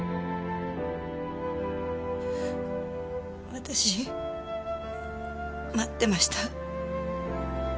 私待ってました。